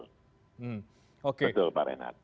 betul pak renan